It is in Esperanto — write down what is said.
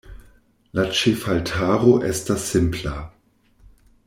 La ĉefaltaro estas simpla.